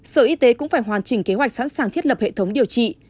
sở y tế cũng phải hoàn chỉnh kế hoạch sẵn sàng thiết lập hệ thống điều trị